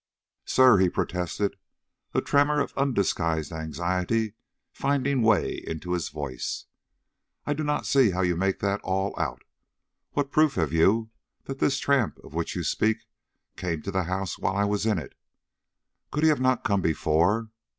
"Sir," he protested, a tremor of undisguised anxiety finding way into his voice, "I do not see how you make that all out. What proof have you that this tramp of which you speak came to the house while I was in it? Could he not have come before?